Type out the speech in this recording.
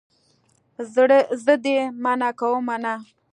زه دې منع کومه نه.